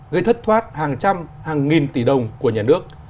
gây thất thoát hàng trăm hàng nghìn tỷ đồng của nhà nước